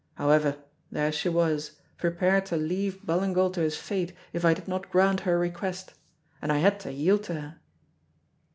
However, there she was, prepared to leave Ballingall to his fate if I did not grant her request, and I had to yield to her."